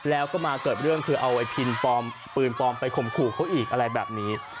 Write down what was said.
แล้วก็มาเกิดเรื่องคือเอาไอพินปลอมปืนปลอมไปข่มขู่เขาอีกอะไรแบบนี้